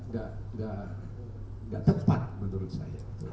tidak tepat menurut saya